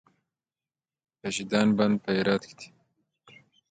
د پاشدان بند په هرات کې دی